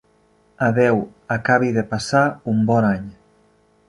Adéu, acabi de passar un bon any.